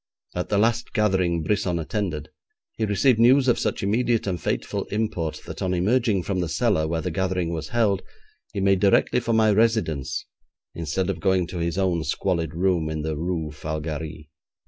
At the last gathering Brisson attended he received news of such immediate and fateful import that on emerging from the cellar where the gathering was held, he made directly for my residence instead of going to his own squalid room in the Rue Falgarie.